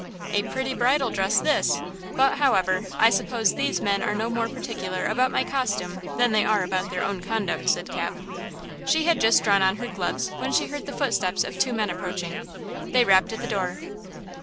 "A pretty bridal dress, this; but, however, I suppose these men are no more particular about my costume than they are about their own conduct," said Cap. She had just drawn on her gloves when she heard the footsteps of two men approaching. They rapped at the door.